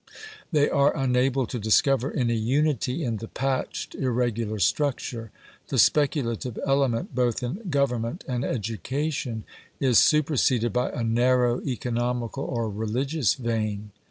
They are unable to discover any unity in the patched, irregular structure. The speculative element both in government and education is superseded by a narrow economical or religious vein.